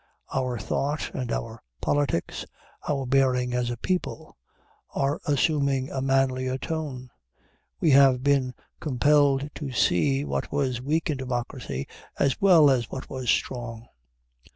Our thought and our politics, our bearing as a people, are assuming a manlier tone. We have been compelled to see what was weak in democracy as well as what was strong.